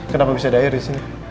kenapa bisa ada air disini